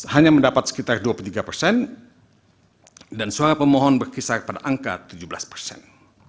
hanya mendapat sekitar dua puluh tiga persen dan suara pemohon berkisar pada angka tujuh belas persen